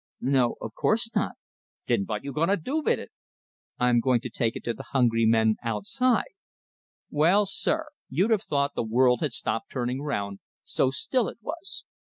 "No; of course not." "Den vot you gonna do vit it?" "I'm going to take it to the hungry men outside." Well, sir, you'd have thought the world had stopped turning round, so still it was.